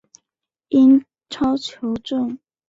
英超球证